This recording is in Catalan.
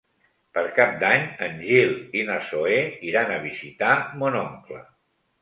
Per Cap d'Any en Gil i na Zoè iran a visitar mon oncle.